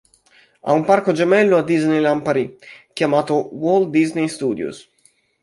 Ha un parco gemello a "Disneyland Paris", chiamato "Walt Disney Studios".